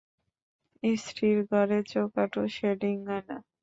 স্ত্রীর ঘরের চৌকাটও সে ডিঙায় না।